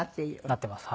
なっています。